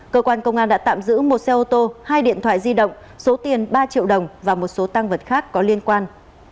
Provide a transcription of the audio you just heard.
cơ quan công an đã tạm giữ một xe ô tô hai điện thoại di động số tiền ba triệu đồng và một số tăng vật khác có liên quan